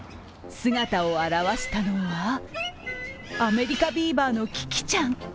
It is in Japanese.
姿を現したのは、アメリカビーバーのキキちゃん。